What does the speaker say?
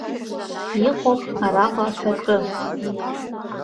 Иҟоуп араҟа аҳәатәы.